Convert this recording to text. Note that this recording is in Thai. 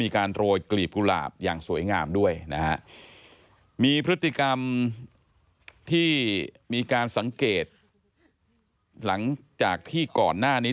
การที่มีการสังเกตหลังจากที่ก่อนหน้านี้